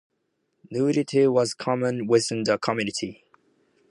Nudity was common within the community.